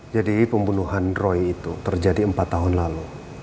jadi pembunuhan roy itu terjadi empat tahun lalu